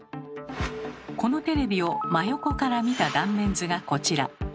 このテレビを真横から見た断面図がこちら。